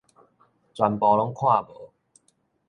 全部攏看無